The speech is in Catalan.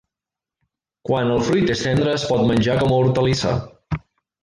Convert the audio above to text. Quan el fruit és tendre es pot menjar com a hortalissa.